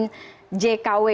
kalau kita lihat